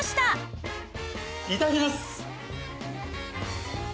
いただきます！